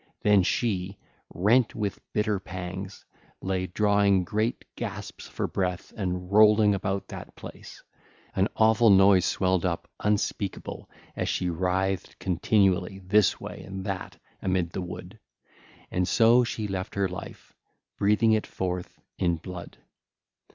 Then she, rent with bitter pangs, lay drawing great gasps for breath and rolling about that place. An awful noise swelled up unspeakable as she writhed continually this way and that amid the wood: and so she left her life, breathing it forth in blood.